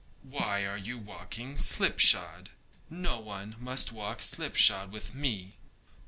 'Why are you walking slipshod? no one must walk slipshod with me.